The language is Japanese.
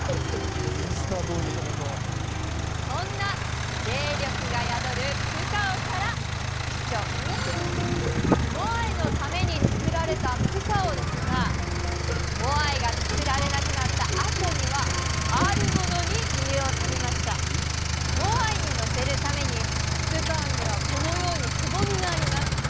イースター島にそんな霊力が宿るプカオからクエスチョンモアイのためにつくられたプカオですがモアイがつくられなくなったあとにはあるものに利用されましたモアイにのせるためにプカオにはこのようにくぼみがあります